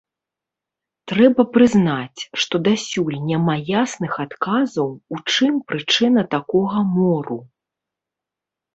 Трэба прызнаць, што дасюль няма ясных адказаў, у чым прычына такога мору.